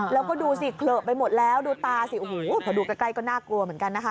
แล้วก็ดูสิเผลอไปหมดแล้วดูตาสิโอ้โหพอดูใกล้ก็น่ากลัวเหมือนกันนะคะ